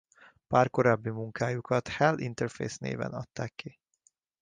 Pár korábbi munkájukat Hell Interface néven adták ki.